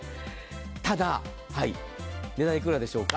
ただ、値段、いくらでしょうか。